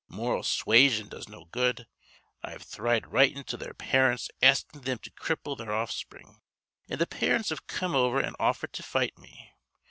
Moral suasion does no good. I have thried writin' to their parents askin' thim to cripple their offspring, an' th' parents have come over an' offered to fight me.